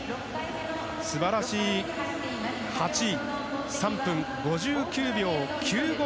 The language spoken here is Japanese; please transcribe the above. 素晴らしい８位３分５９秒９５。